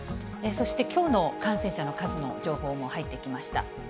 そしてきょうの感染者の数の情報も入ってきました。